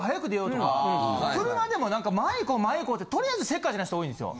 車でも何か前いこう前いこうってとりあえずせっかちな人多いんですよ。